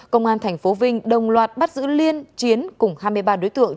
công an tp vinh đồng loạt bắt giữ liên chiến cùng hai mươi ba đối tượng